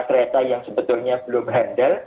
kereta yang sebetulnya belum handal